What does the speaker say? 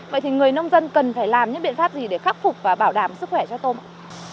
vậy thì người nông dân cần phải làm những biện pháp gì để khắc phục và bảo đảm sức khỏe cho tôm ạ